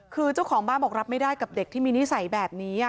คือเจ้าของบ้านบอกรับไม่ได้กับเด็กที่มีนิสัยแบบนี้